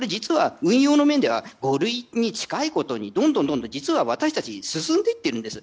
運用の面では五類に近いことにどんどん、実は私たち進んでいっているんです。